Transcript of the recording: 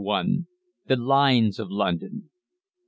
THE LINES OF LONDON.